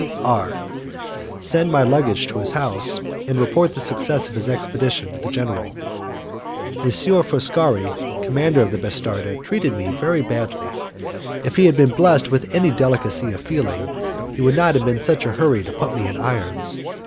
D R , send my luggage to his house, and report the success of his expedition to the general. M. Foscari, the commander of the bastarda, treated me very badly. If he had been blessed with any delicacy of feeling, he would not have been in such a hurry to have me put in irons.